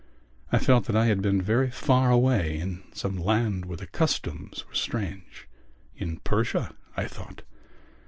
I felt that I had been very far away, in some land where the customs were strange—in Persia, I thought....